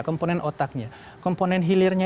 komponen otaknya komponen hilirnya